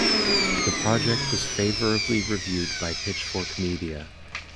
The project was favourably reviewed by Pitchfork Media.